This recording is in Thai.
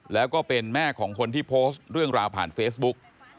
แล้วก็เป็นแม่ของคนที่โพสต์เรื่องราวผ่านเฟซบุ๊ก